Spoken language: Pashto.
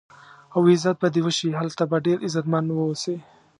او عزت به دې وشي، هلته به ډېر عزتمن و اوسې.